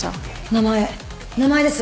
名前名前です。